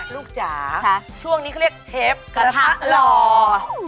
จ๋าช่วงนี้เขาเรียกเชฟกระทะหล่อ